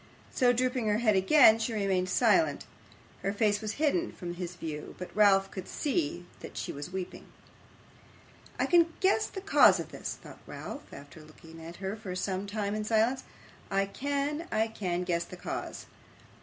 So drooping her head again, she remained silent. Her face was hidden from his view, but Ralph could see that she was weeping. 'I can guess the cause of this!' thought Ralph, after looking at her for some time in silence. 'I can I can guess the cause.